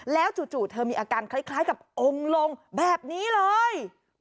แล้วจู่เธอมีอาการคล้ายกับองค์ลงแบบนี้เลย